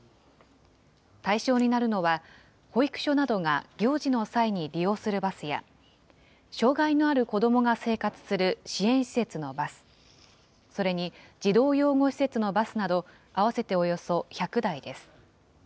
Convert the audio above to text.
対象になるのは、保育所などが行事の際に利用するバスや、障害のある子どもが生活する支援施設のバス、それに児童養護施設のバスなど、合わせておよそ１００台です。